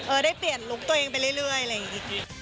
ได้เปลี่ยนลุคตัวเองไปเรื่อยอะไรอย่างนี้